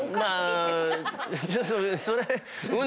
それ。